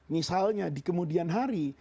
misalnya di kemudian hari